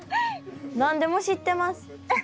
何でも知ってます。